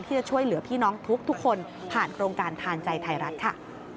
ที่จะช่วยเหลือพี่น้องทุกคนผ่านโครงการทานใจไทยรัฐค่ะ